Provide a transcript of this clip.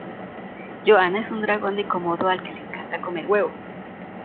Joanna es un dragon de komodo al que le encanta comer huevos.